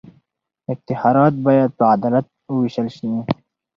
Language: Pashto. افتخارات باید په عدالت ووېشل سي.